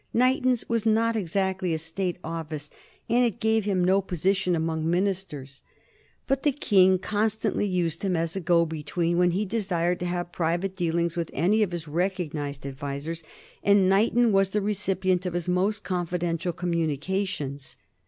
Knighton's was not exactly a State office and it gave him no position among ministers, but the King constantly used him as a go between when he desired to have private dealings with any of his recognized advisers, and Knighton was the recipient of his most confidential communications.